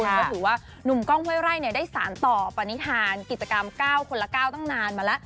ก็ถือว่านุ่มกล้องห้วยไร่ได้สารต่อปณิธานกิจกรรม๙คนละ๙ตั้งนานมาแล้ว